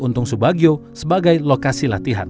untung subagio sebagai lokasi latihan